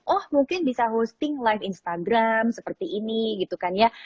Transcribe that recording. oh mungkin bisa hosting live instagram seperti ini gitu kan ya